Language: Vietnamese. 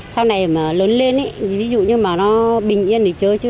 sau này mà lớn lên ấy ví dụ như mà nó bình yên thì chơi chứ